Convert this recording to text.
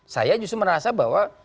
saya justru merasa bahwa